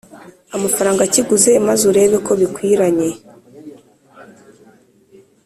Amafaranga akiguze maze urebe kobikwiranye